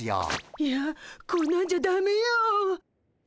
いやこんなんじゃダメよ。